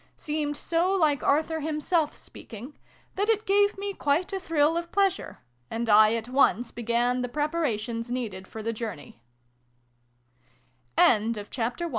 seemed so like Arthur himself speaking, that it gave me quite a thrill of pleasure, and I at once began the preparations needed for the